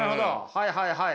はいはいはい。